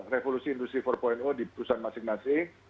revolusi industri empat di perusahaan masing masing